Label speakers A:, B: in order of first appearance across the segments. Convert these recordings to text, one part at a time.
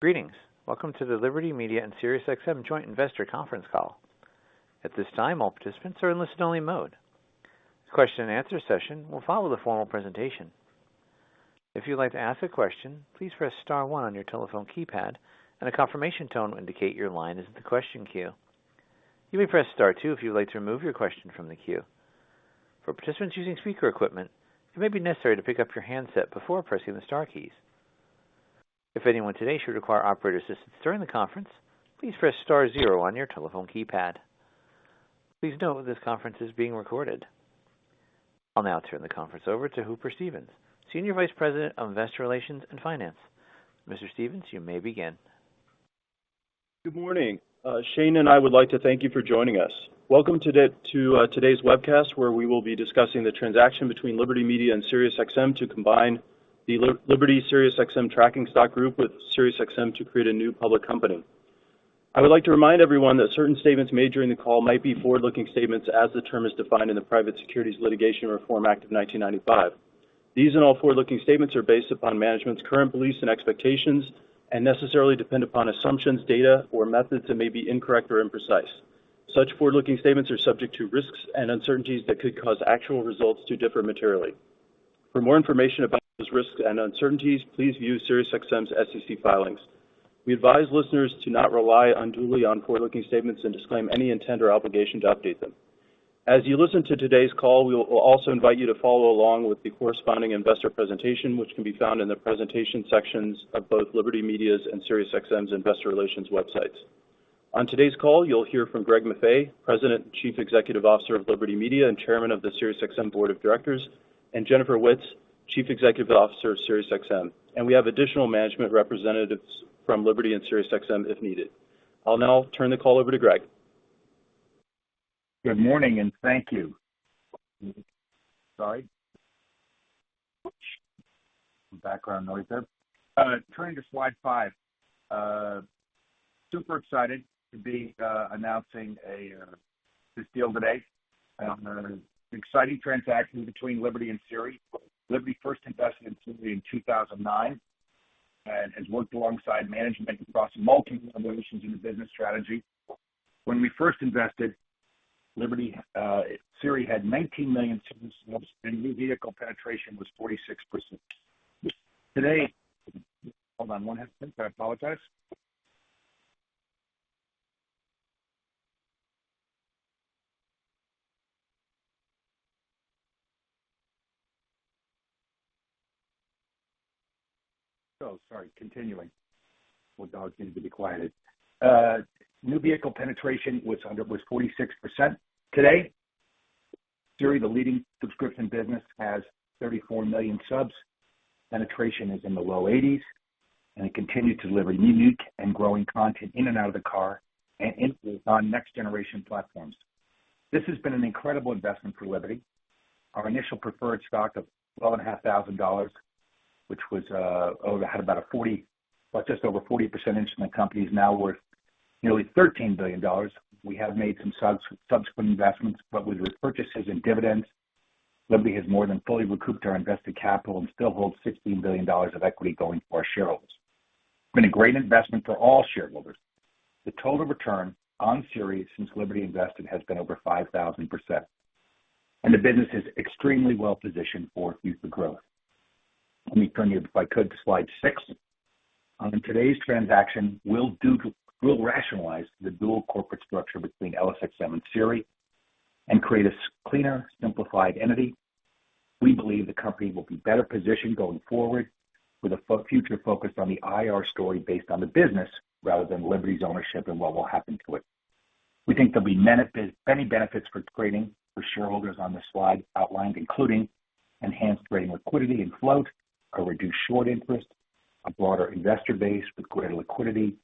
A: Greetings. Welcome to the Liberty Media and SiriusXM Joint Investor Conference Call. At this time, all participants are in listen-only mode. The question and answer session will follow the formal presentation. If you'd like to ask a question, please press star one on your telephone keypad, and a confirmation tone will indicate your line is in the question queue. You may press star two if you'd like to remove your question from the queue. For participants using speaker equipment, it may be necessary to pick up your handset before pressing the star keys. If anyone today should require operator assistance during the conference, please press star zero on your telephone keypad. Please note, this conference is being recorded. I'll now turn the conference over to Hooper Stevens, Senior Vice President of Investor Relations and Finance. Mr. Stevens, you may begin.
B: Good morning. Shane, and I would like to thank you for joining us. Welcome today to today's webcast, where we will be discussing the transaction between Liberty Media and SiriusXM to combine the Liberty SiriusXM Tracking Stock Group with SiriusXM to create a new public company. I would like to remind everyone that certain statements made during the call might be forward-looking statements as the term is defined in the Private Securities Litigation Reform Act of 1995. These and all forward-looking statements are based upon management's current beliefs and expectations and necessarily depend upon assumptions, data, or methods that may be incorrect or imprecise. Such forward-looking statements are subject to risks and uncertainties that could cause actual results to differ materially. For more information about those risks and uncertainties, please view SiriusXM's SEC filings. We advise listeners to not rely unduly on forward-looking statements and disclaim any intent or obligation to update them. As you listen to today's call, we will also invite you to follow along with the corresponding investor presentation, which can be found in the presentation sections of both Liberty Media's and SiriusXM's investor relations websites. On today's call, you'll hear from Greg Maffei, President and Chief Executive Officer of Liberty Media and Chairman of the SiriusXM Board of Directors, and Jennifer Witz, Chief Executive Officer of SiriusXM. We have additional management representatives from Liberty and SiriusXM if needed. I'll now turn the call over to Greg.
C: Good morning, and thank you. Sorry. Some background noise there. Turning to slide five. Super excited to be announcing this deal today. An exciting transaction between Liberty and Sirius. Liberty first invested in Sirius in 2009 and has worked alongside management across multiple generations in the business strategy. When we first invested, Liberty, Sirius had 19 million subscribers, and new vehicle penetration was 46%. Today... Hold on one second. I apologize. Oh, sorry. Continuing. My dog seemed to be quieted. New vehicle penetration was 46%. Today, Sirius, the leading subscription business, has 34 million subs. Penetration is in the low 80s, and it continues to deliver unique and growing content in and out of the car and into our next-generation platforms. This has been an incredible investment for Liberty. Our initial preferred stock of $12,500, which had about a 40, well just over 40% interest in the company, is now worth nearly $13 billion. We have made some subsequent investments, but with repurchases and dividends, Liberty has more than fully recouped our invested capital and still holds $16 billion of equity going to our shareholders. It's been a great investment for all shareholders. The total return on SiriusXM since Liberty invested has been over 5,000%, and the business is extremely well positioned for future growth. Let me turn you, if I could, to slide five. In today's transaction, we'll rationalize the dual corporate structure between LSX and SiriusXM and create a cleaner, simplified entity. We believe the company will be better positioned going forward with a future focus on the IR story based on the business, rather than Liberty's ownership and what will happen to it. We think there'll be benefit, many benefits for creating for shareholders on this slide outlined, including enhanced trading liquidity and float, a reduced short interest, a broader investor base with greater liquidity,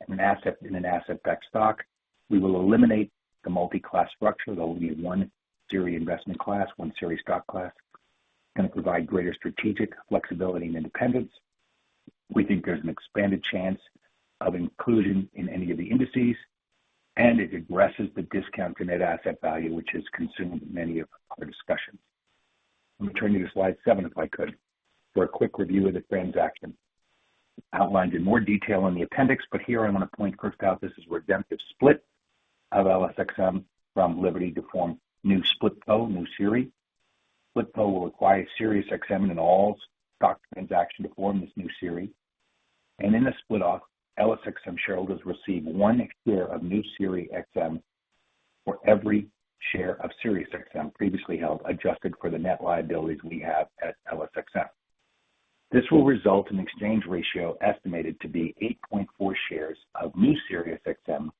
C: and an asset, in an asset-backed stock. We will eliminate the multi-class structure. There will only be one Sirius investment class, one Sirius stock class. It's going to provide greater strategic flexibility and independence. We think there's an expanded chance of inclusion in any of the indices, and it addresses the discount to net asset value, which has consumed many of our discussions. Let me turn you to slide seven, if I could, for a quick review of the transaction. Outlined in more detail in the appendix, but here I want to point first out this is a redemptive split of LSXM from Liberty to form new SplitCo, new Sirius. SplitCo will acquire SiriusXM and all stock transaction to form this new Sirius. In the Split-Off, LSXM shareholders receive one share of new SiriusXM for every share of SiriusXM previously held, adjusted for the net liabilities we have at LSXM. This will result in exchange ratio estimated to be 8.4 shares of new SiriusXM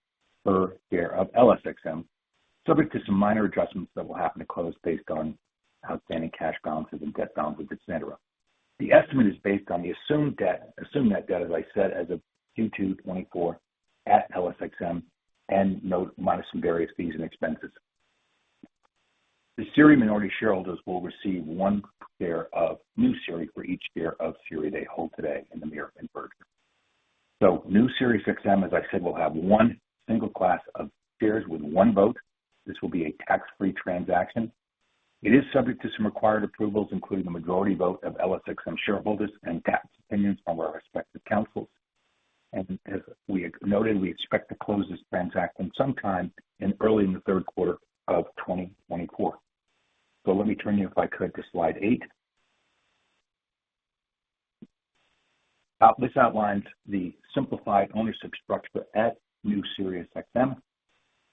C: per share of LSXM, subject to some minor adjustments that will happen to close based on outstanding cash balances and debt balances, et cetera. The estimate is based on the assumed debt, assumed net debt, as I said, as of Q2 2024 at LSXM and note minus some various fees and expenses. The Sirius minority shareholders will receive one share of new Sirius for each share of Sirius they hold today in the merger transaction. So new SiriusXM, as I said, will have one single class of shares with one vote. This will be a tax-free transaction. It is subject to some required approvals, including the majority vote of LSX shareholders and tax opinions from our respective counsels. And as we had noted, we expect to close this transaction sometime in early in the third quarter of 2024. So let me turn you, if I could, to slide eight. This outlines the simplified ownership structure at new SiriusXM.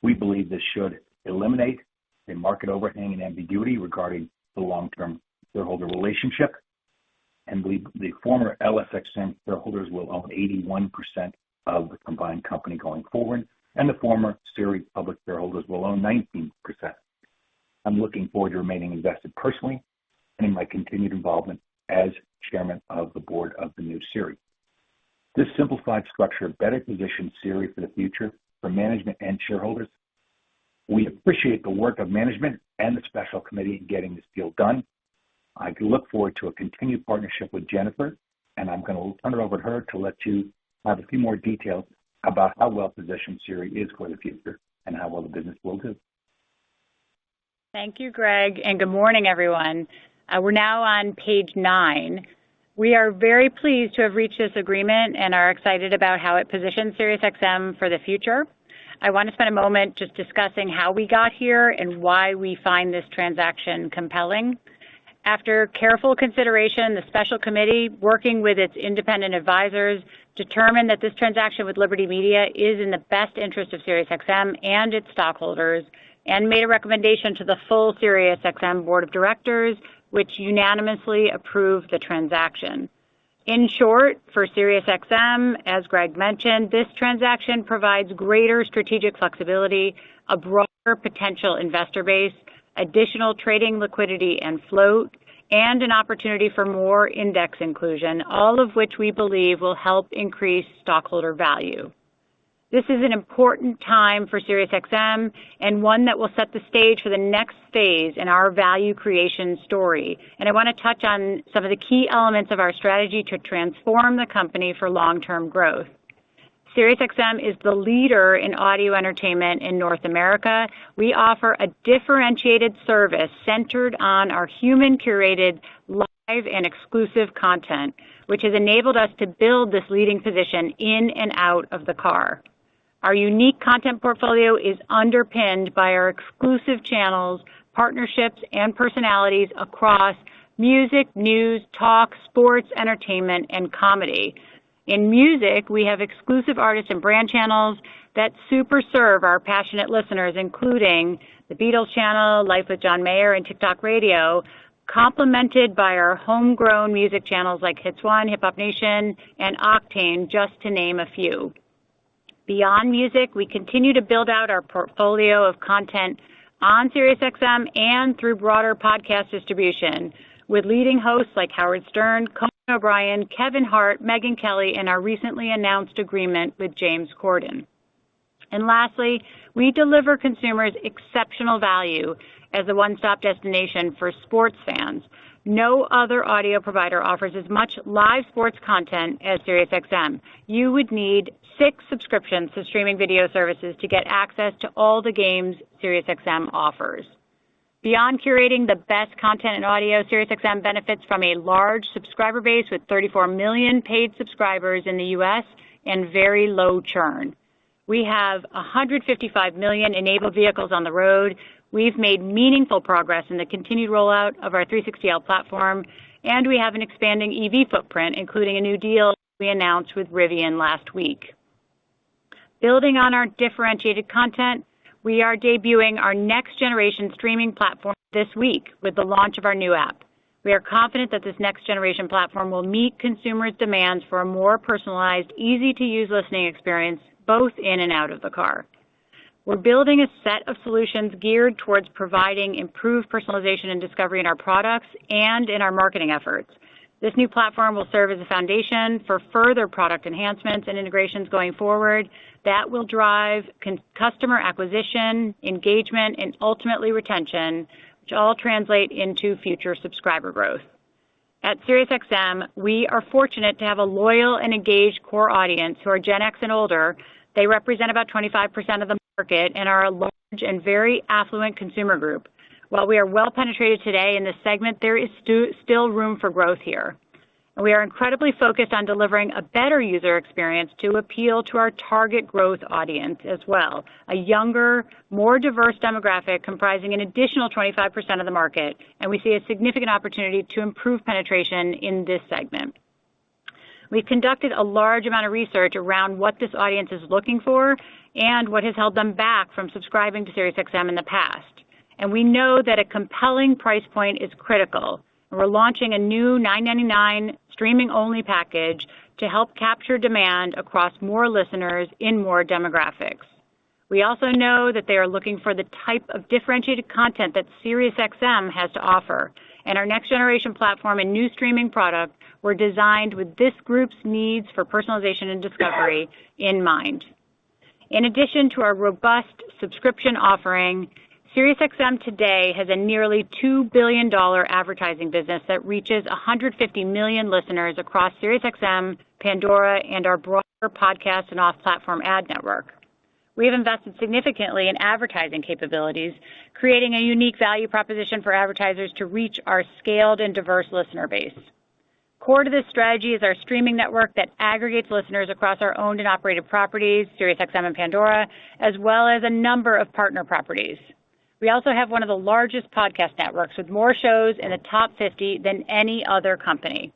C: We believe this should eliminate a market overhang and ambiguity regarding the long-term shareholder relationship, and we the former LSX shareholders will own 81% of the combined company going forward, and the former Sirius Public shareholders will own 19%. I'm looking forward to remaining invested personally and in my continued involvement as chairman of the board of the new Sirius. This simplified structure better positions Sirius for the future for management and shareholders. We appreciate the work of management and the special committee in getting this deal done. I look forward to a continued partnership with Jennifer, and I'm going to turn it over to her to let you have a few more details about how well-positioned Sirius is for the future and how well the business will do.
D: Thank you, Greg, and good morning, everyone. We're now on page nine. We are very pleased to have reached this agreement and are excited about how it positions SiriusXM for the future. I want to spend a moment just discussing how we got here and why we find this transaction compelling. After careful consideration, the special committee, working with its independent advisors, determined that this transaction with Liberty Media is in the best interest of SiriusXM and its stockholders, and made a recommendation to the full SiriusXM board of directors, which unanimously approved the transaction. In short, for SiriusXM, as Greg mentioned, this transaction provides greater strategic flexibility, a broader potential investor base, additional trading liquidity and float, and an opportunity for more index inclusion, all of which we believe will help increase stockholder value. This is an important time for SiriusXM and one that will set the stage for the next phase in our value creation story, and I want to touch on some of the key elements of our strategy to transform the company for long-term growth. SiriusXM is the leader in audio entertainment in North America. We offer a differentiated service centered on our human-curated, live, and exclusive content, which has enabled us to build this leading position in and out of the car. Our unique content portfolio is underpinned by our exclusive channels, partnerships, and personalities across music, news, talk, sports, entertainment, and comedy. In music, we have exclusive artists and brand channels that super serve our passionate listeners, including The Beatles Channel, Life with John Mayer, and TikTok Radio, complemented by our homegrown music channels like Hits 1, Hip-Hop Nation, and Octane, just to name a few. Beyond music, we continue to build out our portfolio of content on SiriusXM and through broader podcast distribution, with leading hosts like Howard Stern, Conan O'Brien, Kevin Hart, Megyn Kelly, and our recently announced agreement with James Corden. And lastly, we deliver consumers exceptional value as a one-stop destination for sports fans. No other audio provider offers as much live sports content as SiriusXM. You would need six subscriptions to streaming video services to get access to all the games SiriusXM offers. Beyond curating the best content in audio, SiriusXM benefits from a large subscriber base with 34 million paid subscribers in the U.S. and very low churn. We have 155 million enabled vehicles on the road. We've made meaningful progress in the continued rollout of our 360L platform, and we have an expanding EV footprint, including a new deal we announced with Rivian last week. Building on our differentiated content, we are debuting our next generation streaming platform this week with the launch of our new app. We are confident that this next generation platform will meet consumers' demands for a more personalized, easy-to-use listening experience, both in and out of the car. We're building a set of solutions geared towards providing improved personalization and discovery in our products and in our marketing efforts. This new platform will serve as a foundation for further product enhancements and integrations going forward that will drive customer acquisition, engagement and ultimately retention, which all translate into future subscriber growth. At SiriusXM, we are fortunate to have a loyal and engaged core audience who are Gen X and older. They represent about 25% of the market and are a large and very affluent consumer group. While we are well penetrated today in this segment, there is still room for growth here. We are incredibly focused on delivering a better user experience to appeal to our target growth audience as well. A younger, more diverse demographic comprising an additional 25% of the market, and we see a significant opportunity to improve penetration in this segment. We've conducted a large amount of research around what this audience is looking for and what has held them back from subscribing to SiriusXM in the past. We know that a compelling price point is critical, and we're launching a new $9.99 streaming-only package to help capture demand across more listeners in more demographics. We also know that they are looking for the type of differentiated content that SiriusXM has to offer, and our next generation platform and new streaming product were designed with this group's needs for personalization and discovery in mind. In addition to our robust subscription offering, SiriusXM today has a nearly $2 billion advertising business that reaches 150 million listeners across SiriusXM, Pandora, and our broader podcast and off-platform ad network. We have invested significantly in advertising capabilities, creating a unique value proposition for advertisers to reach our scaled and diverse listener base. Core to this strategy is our streaming network that aggregates listeners across our owned and operated properties, SiriusXM and Pandora, as well as a number of partner properties. We also have one of the largest podcast networks, with more shows in the top 50 than any other company.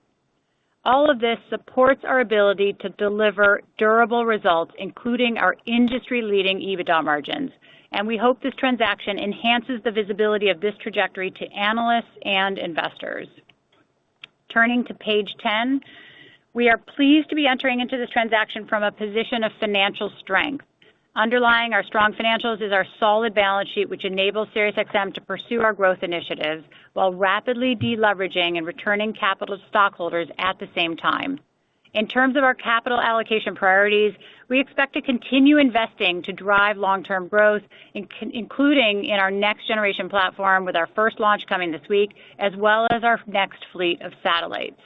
D: All of this supports our ability to deliver durable results, including our industry-leading EBITDA margins, and we hope this transaction enhances the visibility of this trajectory to analysts and investors. Turning to page 10, we are pleased to be entering into this transaction from a position of financial strength. Underlying our strong financials is our solid balance sheet, which enables SiriusXM to pursue our growth initiatives while rapidly deleveraging and returning capital to stockholders at the same time. In terms of our capital allocation priorities, we expect to continue investing to drive long-term growth, including in our next generation platform, with our first launch coming this week, as well as our next fleet of satellites.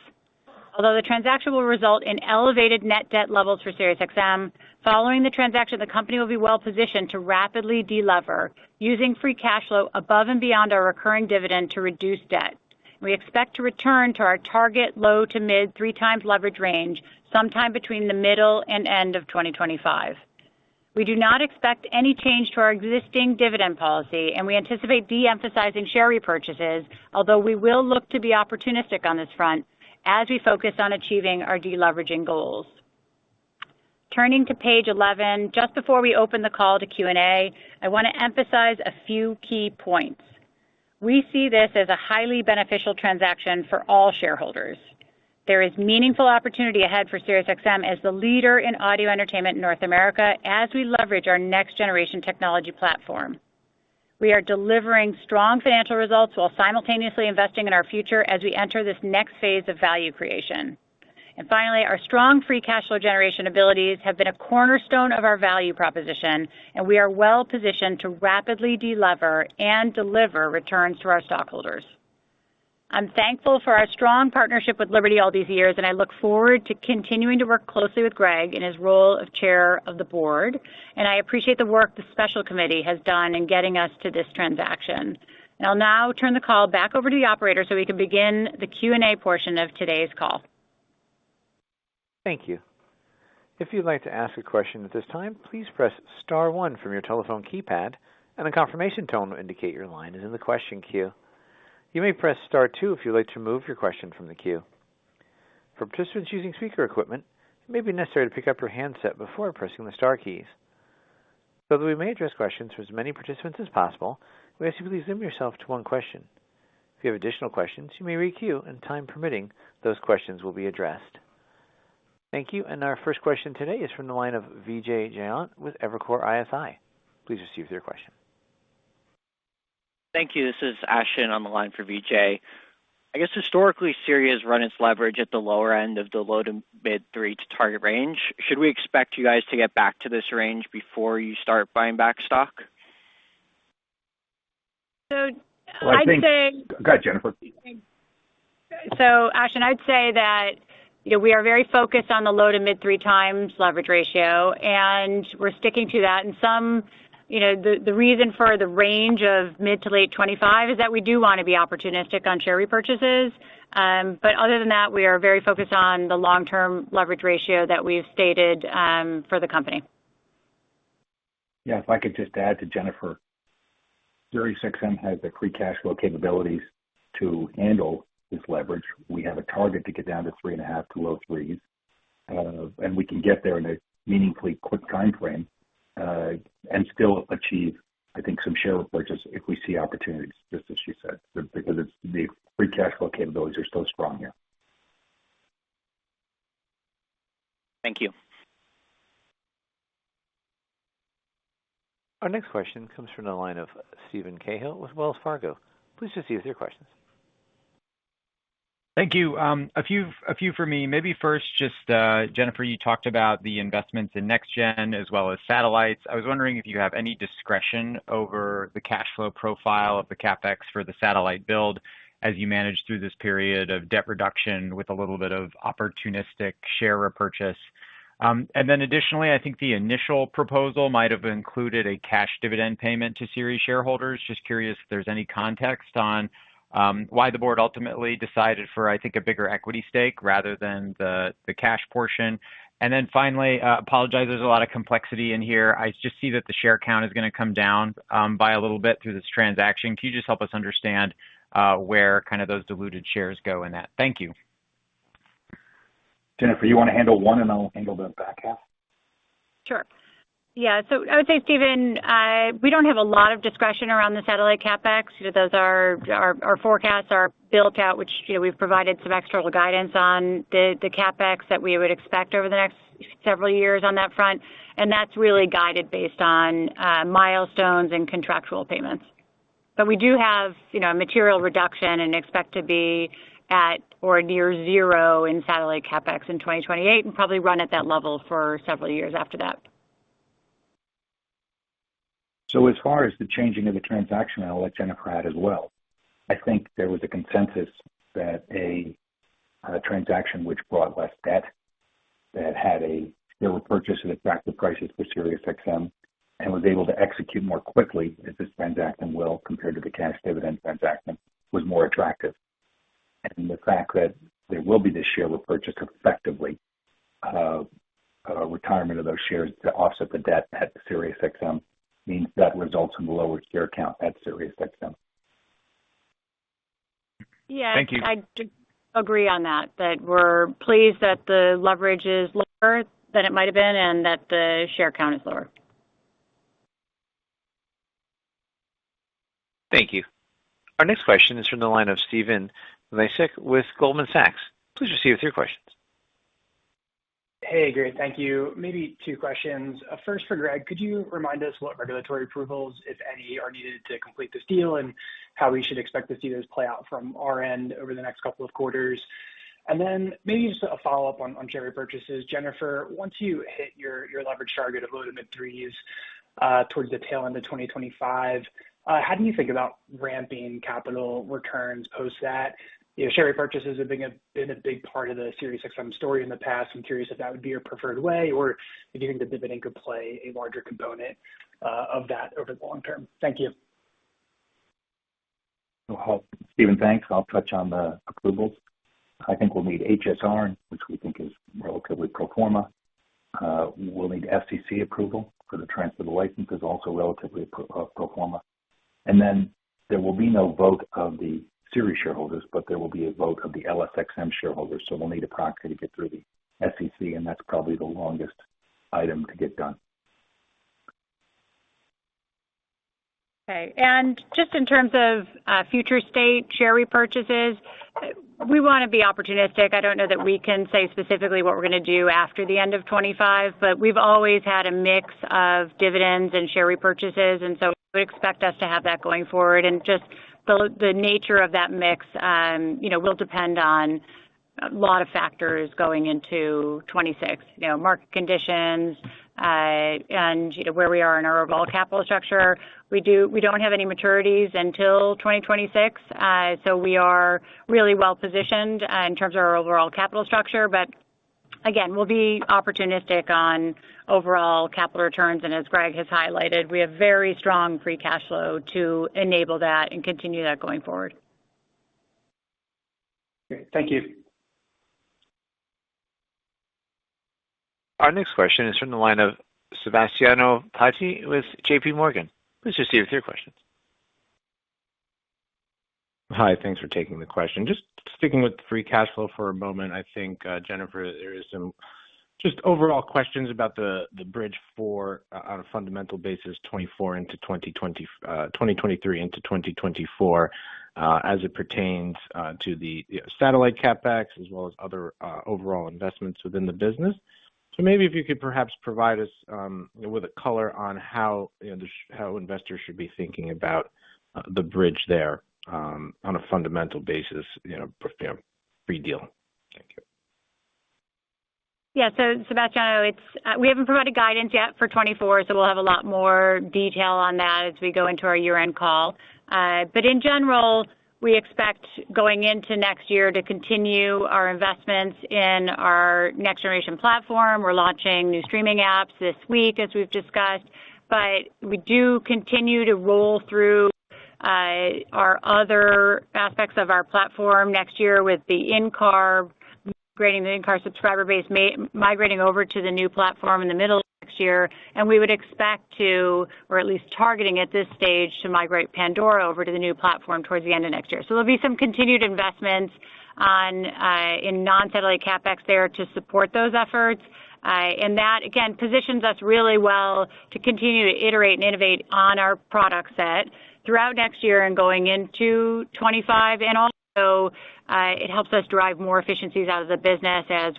D: Although the transaction will result in elevated net debt levels for SiriusXM, following the transaction, the company will be well positioned to rapidly delever, using free cash flow above and beyond our recurring dividend to reduce debt. We expect to return to our target low- to mid-3x leverage range sometime between the middle and end of 2025. We do not expect any change to our existing dividend policy, and we anticipate de-emphasizing share repurchases, although we will look to be opportunistic on this front as we focus on achieving our deleveraging goals. Turning to page 11, just before we open the call to Q&A, I want to emphasize a few key points. We see this as a highly beneficial transaction for all shareholders. There is meaningful opportunity ahead for SiriusXM as the leader in audio entertainment in North America, as we leverage our next generation technology platform. We are delivering strong financial results while simultaneously investing in our future as we enter this next phase of value creation. And finally, our strong free cash flow generation abilities have been a cornerstone of our value proposition, and we are well positioned to rapidly delever and deliver returns to our stockholders. I'm thankful for our strong partnership with Liberty all these years, and I look forward to continuing to work closely with Greg in his role of chair of the board, and I appreciate the work the special committee has done in getting us to this transaction. I'll now turn the call back over to the operator so we can begin the Q&A portion of today's call.
A: Thank you. If you'd like to ask a question at this time, please press star one from your telephone keypad, and a confirmation tone will indicate your line is in the question queue. You may press star two if you'd like to remove your question from the queue. For participants using speaker equipment, it may be necessary to pick up your handset before pressing the star keys. So that we may address questions to as many participants as possible, we ask you please limit yourself to one question. If you have additional questions, you may requeue, and time permitting, those questions will be addressed. Thank you, and our first question today is from the line of Vijay Jayant with Evercore ISI. Please proceed with your question.
E: Thank you. This is Ashton on the line for Vijay. I guess historically, Sirius run its leverage at the lower end of the low- to mid-3x target range. Should we expect you guys to get back to this range before you start buying back stock?
D: I'd say-
C: Well, I think... Go ahead, Jennifer.
D: So Ashton, I'd say that, you know, we are very focused on the low- to mid-3x leverage ratio, and we're sticking to that. And some, you know, the reason for the range of mid- to late 25 is that we do want to be opportunistic on share repurchases. But other than that, we are very focused on the long-term leverage ratio that we've stated for the company.
C: Yeah. If I could just add to Jennifer. SiriusXM has the free cash flow capabilities to handle this leverage. We have a target to get down to 3.5-low 3s, and we can get there in a meaningfully quick timeframe, and still achieve, I think, some share repurchases if we see opportunities, just as she said, because it's the free cash flow capabilities are still strong here.
F: Thank you.
A: Our next question comes from the line of Steven Cahall with Wells Fargo. Please proceed with your questions.
G: Thank you. A few for me. Maybe first, just Jennifer, you talked about the investments in next gen as well as satellites. I was wondering if you have any discretion over the cash flow profile of the CapEx for the satellite build as you manage through this period of debt reduction with a little bit of opportunistic share repurchase. And then additionally, I think the initial proposal might have included a cash dividend payment to Sirius shareholders. Just curious if there's any context on why the board ultimately decided for, I think, a bigger equity stake rather than the cash portion. And then finally, apologize, there's a lot of complexity in here. I just see that the share count is going to come down by a little bit through this transaction. Can you just help us understand, where kind of those diluted shares go in that? Thank you.
C: Jennifer, you want to handle one, and I'll handle the back half?
D: Sure. Yeah. So I would say, Stephen, we don't have a lot of discretion around the satellite CapEx. Those are our forecasts, which, you know, we've provided some external guidance on the CapEx that we would expect over the next several years on that front, and that's really guided based on milestones and contractual payments. But we do have, you know, a material reduction and expect to be at or near zero in satellite CapEx in 2028, and probably run at that level for several years after that. ...
C: So as far as the changing of the transaction, I'll let Jennifer add as well. I think there was a consensus that a transaction which brought less debt, that had a share repurchase as a factor of prices for SiriusXM, and was able to execute more quickly as this transaction will, compared to the cash dividend transaction, was more attractive. And the fact that there will be this share repurchase, effectively, retirement of those shares to offset the debt at SiriusXM, means that results in the lower share count at SiriusXM.
D: Yeah.
G: Thank you.
D: I'd agree on that, that we're pleased that the leverage is lower than it might have been and that the share count is lower.
A: Thank you. Our next question is from the line of Steven Shieh with Goldman Sachs. Please proceed with your questions.
H: Hey, great. Thank you. Maybe two questions. First, for Greg, could you remind us what regulatory approvals, if any, are needed to complete this deal, and how we should expect to see those play out from our end over the next couple of quarters? And then maybe just a follow-up on share repurchases. Jennifer, once you hit your leverage target of low- to mid-3s, towards the tail end of 2025, how do you think about ramping capital returns post that? You know, share repurchases have been a big part of the SiriusXM story in the past. I'm curious if that would be your preferred way, or if you think the dividend could play a larger component of that over the long term. Thank you.
C: Well, Steven, thanks. I'll touch on the approvals. I think we'll need HSR, which we think is relatively pro forma. We'll need FCC approval for the transfer of the licenses, also relatively pro forma. And then there will be no vote of the SiriusXM shareholders, but there will be a vote of the LSXMA shareholders, so we'll need a proxy to get through the FCC, and that's probably the longest item to get done.
D: Okay. And just in terms of future state share repurchases, we want to be opportunistic. I don't know that we can say specifically what we're going to do after the end of 25, but we've always had a mix of dividends and share repurchases, and so I would expect us to have that going forward. And just the nature of that mix, you know, will depend on a lot of factors going into 26. You know, market conditions, and where we are in our overall capital structure. We don't have any maturities until 2026, so we are really well positioned in terms of our overall capital structure. But again, we'll be opportunistic on overall capital returns, and as Greg has highlighted, we have very strong free cash flow to enable that and continue that going forward.
H: Great. Thank you.
A: Our next question is from the line of Sebastiano Petti with JPMorgan. Please proceed with your questions.
I: Hi, thanks for taking the question. Just sticking with the free cash flow for a moment, I think, Jennifer, there is some just overall questions about the bridge for, on a fundamental basis, 2024 into 2020, 2023 into 2024, as it pertains to the satellite CapEx as well as other overall investments within the business. So maybe if you could perhaps provide us with a color on how, you know, how investors should be thinking about the bridge there, on a fundamental basis, you know, pre-deal. Thank you.
D: Yeah. So Sebastiano, it's, we haven't provided guidance yet for 2024, so we'll have a lot more detail on that as we go into our year-end call. But in general, we expect going into next year to continue our investments in our next-generation platform. We're launching new streaming apps this week, as we've discussed, but we do continue to roll through our other aspects of our platform next year with the in-car, upgrading the in-car subscriber base migrating over to the new platform in the middle of next year. And we would expect to, or at least targeting at this stage, to migrate Pandora over to the new platform towards the end of next year. So there'll be some continued investments on in non-satellite CapEx there to support those efforts. And that, again, positions us really well to continue to iterate and innovate on our product set throughout next year and going into 2025. And also, it helps us drive more efficiencies out of the business as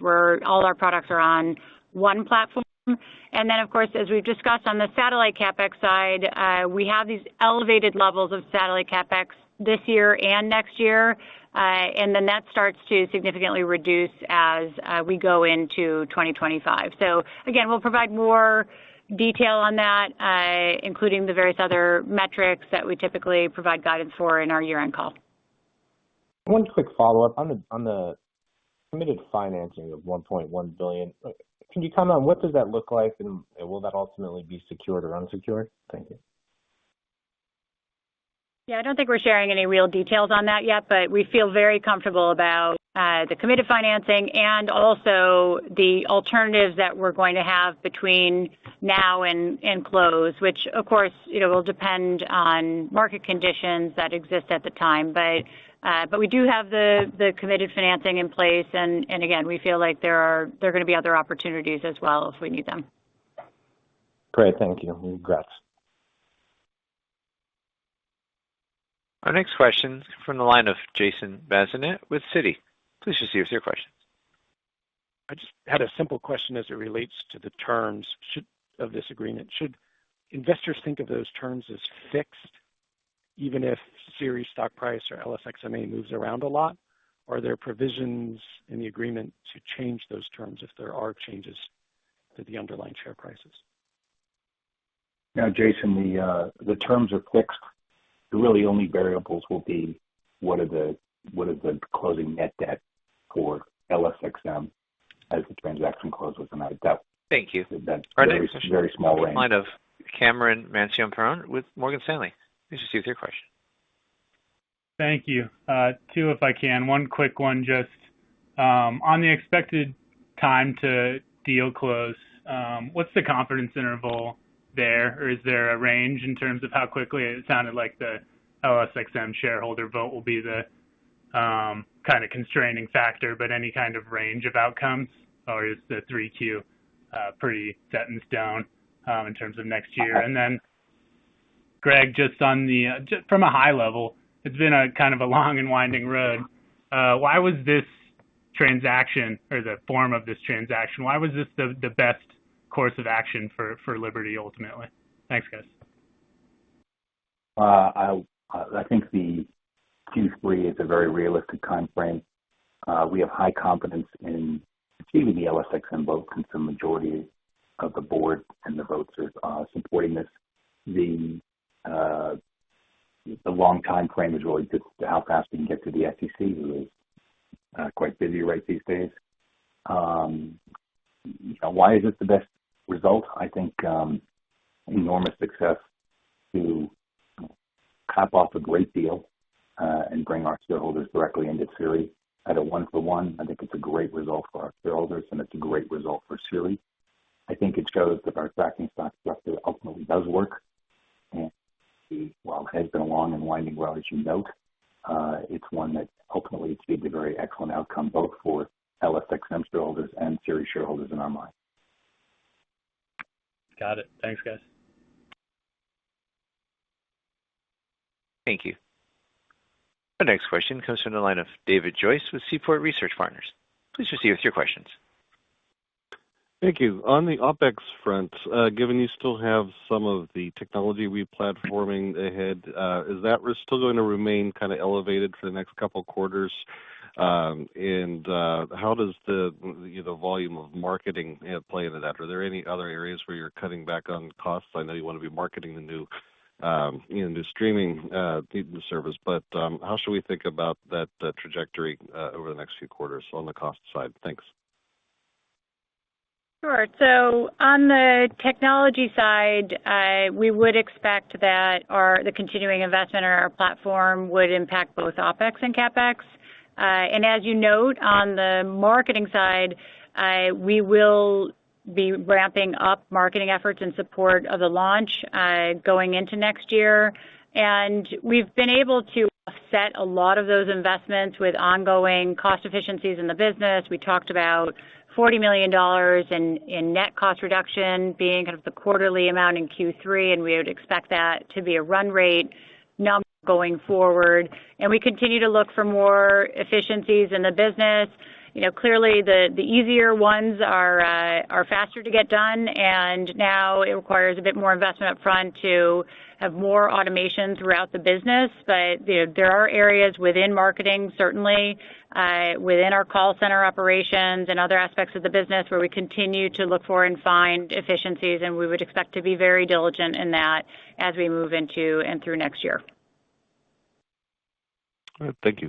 D: all our products are on one platform. And then, of course, as we've discussed on the satellite CapEx side, we have these elevated levels of satellite CapEx this year and next year. And then that starts to significantly reduce as we go into 2025. So again, we'll provide more detail on that, including the various other metrics that we typically provide guidance for in our year-end call.
I: One quick follow-up. On the committed financing of $1.1 billion, can you comment on what does that look like, and will that ultimately be secured or unsecured? Thank you.
D: Yeah, I don't think we're sharing any real details on that yet, but we feel very comfortable about the committed financing and also the alternatives that we're going to have between now and close, which of course, you know, will depend on market conditions that exist at the time. But we do have the committed financing in place, and again, we feel like there are going to be other opportunities as well if we need them.
I: Great. Thank you. Congrats.
A: Our next question is from the line of Jason Bazinet with Citi. Please just proceed with your questions.
J: I just had a simple question as it relates to the terms of this agreement. Should investors think of those terms as fixed? ... even if Sirius stock price or LSXMA moves around a lot, are there provisions in the agreement to change those terms if there are changes to the underlying share prices?
C: Yeah, Jason, the terms are fixed. The really only variables will be what are the closing net debt for SiriusXM as the transaction closes, and that debt-
J: Thank you.
A: Our next question comes from the line of Cameron Mansson with Morgan Stanley. Please proceed with your question.
K: Thank you. Two, if I can. One quick one, just, on the expected time to deal close, what's the confidence interval there? Or is there a range in terms of how quickly it sounded like the SiriusXM shareholder vote will be the, kind of constraining factor, but any kind of range of outcomes, or is the 3Q, pretty set in stone, in terms of next year? And then, Greg, just on the, just from a high level, it's been a kind of a long and winding road. Why was this transaction or the form of this transaction, why was this the, the best course of action for, for Liberty ultimately? Thanks, guys.
C: I think the Q3 is a very realistic timeframe. We have high confidence in achieving the LSXM vote because the majority of the board and the votes are supporting this. The long timeframe is really just how fast we can get to the SEC, who is quite busy right these days. Why is it the best result? I think enormous success to cap off a great deal and bring our shareholders directly into Sirius at a one-for-one. I think it's a great result for our shareholders, and it's a great result for Sirius. I think it shows that our tracking stock structure ultimately does work, and well, has been a long and winding road, as you note. It's one that ultimately gave a very excellent outcome, both for LSXM shareholders and Sirius shareholders in our mind.
K: Got it. Thanks, guys.
A: Thank you. Our next question comes from the line of David Joyce with Seaport Research Partners. Please proceed with your questions.
L: Thank you. On the OpEx front, given you still have some of the technology re-platforming ahead, is that risk still going to remain kind of elevated for the next couple quarters? How does the, you know, volume of marketing play into that? Are there any other areas where you're cutting back on costs? I know you want to be marketing the new, you know, new streaming service, but how should we think about that, trajectory, over the next few quarters on the cost side? Thanks.
D: Sure. So on the technology side, we would expect that our continuing investment in our platform would impact both OpEx and CapEx. And as you note, on the marketing side, we will be ramping up marketing efforts in support of the launch going into next year. And we've been able to offset a lot of those investments with ongoing cost efficiencies in the business. We talked about $40 million in net cost reduction being kind of the quarterly amount in Q3, and we would expect that to be a run rate number going forward. And we continue to look for more efficiencies in the business. You know, clearly the easier ones are faster to get done, and now it requires a bit more investment up front to have more automation throughout the business. But, you know, there are areas within marketing, certainly, within our call center operations and other aspects of the business, where we continue to look for and find efficiencies, and we would expect to be very diligent in that as we move into and through next year.
L: All right. Thank you.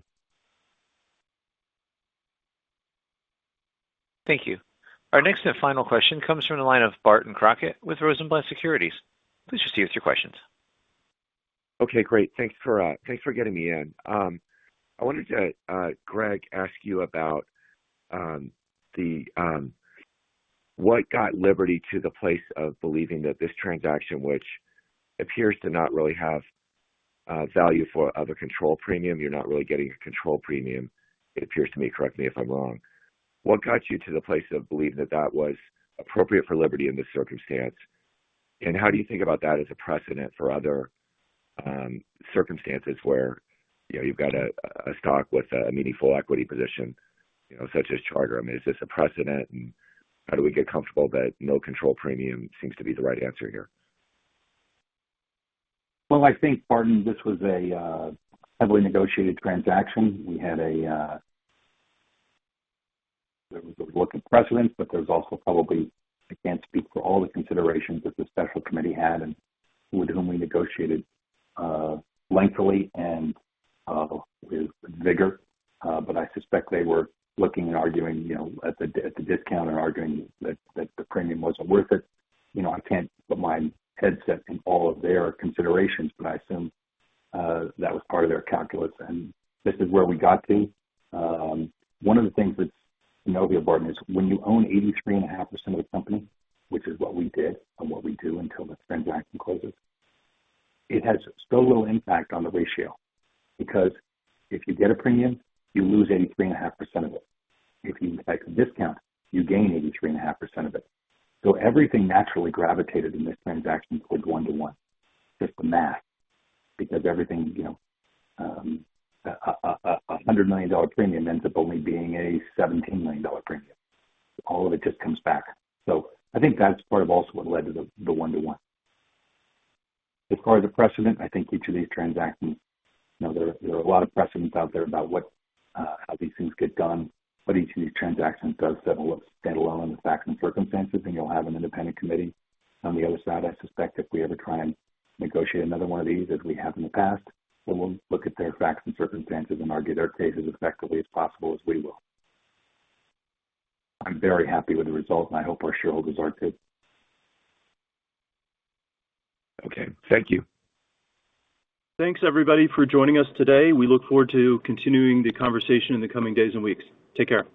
A: Thank you. Our next and final question comes from the line of Barton Crockett with Rosenblatt Securities. Please proceed with your questions.
M: Okay, great. Thanks for getting me in. I wanted to, Greg, ask you about what got Liberty to the place of believing that this transaction, which appears to not really have value for other control premium, you're not really getting a control premium, it appears to me, correct me if I'm wrong. What got you to the place of believing that that was appropriate for Liberty in this circumstance? And how do you think about that as a precedent for other circumstances where, you know, you've got a stock with a meaningful equity position, you know, such as Charter? I mean, is this a precedent, and how do we get comfortable that no control premium seems to be the right answer here?
C: Well, I think, Barton, this was a heavily negotiated transaction. There was a working precedent, but there's also probably. I can't speak for all the considerations that the special committee had and with whom we negotiated lengthily and with vigor, but I suspect they were looking and arguing, you know, at the discount and arguing that the premium wasn't worth it. You know, I can't put myself in all of their considerations, but I assume that was part of their calculus, and this is where we got to. One of the things that's notable, Barton, is when you own 83.5% of the company, which is what we did and what we do until this transaction closes, it has so little impact on the ratio, because if you get a premium, you lose 83.5% of it. If you expect a discount, you gain 83.5% of it. So everything naturally gravitated in this transaction towards one-to-one. Just the math, because everything, you know, a $100 million premium ends up only being a $17 million premium. All of it just comes back. So I think that's part of also what led to the one-to-one. As far as the precedent, I think each of these transactions, you know, there are a lot of precedents out there about what how these things get done, but each of these transactions does stand alone in the facts and circumstances, and you'll have an independent committee on the other side. I suspect if we ever try and negotiate another one of these, as we have in the past, well, we'll look at their facts and circumstances and argue their case as effectively as possible as we will. I'm very happy with the results, and I hope our shareholders are too.
M: Okay. Thank you.
B: Thanks, everybody, for joining us today. We look forward to continuing the conversation in the coming days and weeks. Take care.